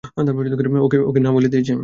ওকে না বলে দিয়েছি আমি।